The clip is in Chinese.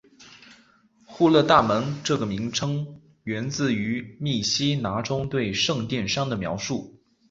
户勒大门这个名称源自于密西拿中对圣殿山的描述。